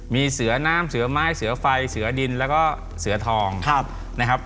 มีเสือน้ำเสือไม้เสือไฟเสือดินแล้วก็เสือทองนะครับ